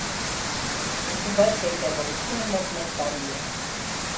Ինկուբացիայի տևողությունը մոտ մեկ տարի է։